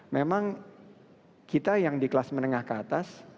memang kita yang di kelas menengah ke atas